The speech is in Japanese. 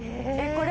これ。